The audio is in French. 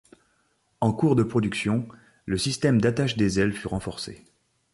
En cours de production, le système d'attache des ailes fut renforcé.